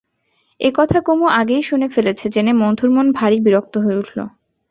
এ কথাটা কুমু আগেই শুনে ফেলেছে জেনে মধুর মন ভারি বিরক্ত হয়ে উঠল।